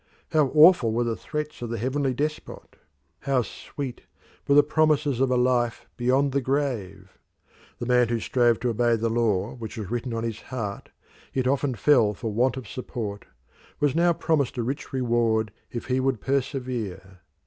How awful were the threats of the heavenly despot; how sweet were the promises of a life beyond the grave! The man who strove to obey the law which was written on his heart, yet often fell for want of support, was now promised a rich reward if he would persevere.